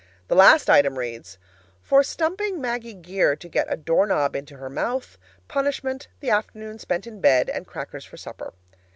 The last item reads: "For stumping Maggie Geer to get a doorknob into her mouth punishment, the afternoon spent in bed, and crackers for supper."